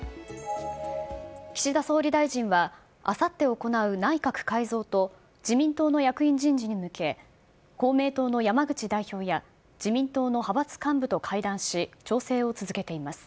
岸田総理大臣は、あさって行う内閣改造と自民党の役員人事に向け、公明党の山口代表や自民党の派閥幹部と会談し、調整を続けています。